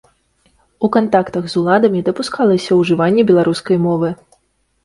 У кантактах з уладамі дапускалася ўжыванне беларускай мовы.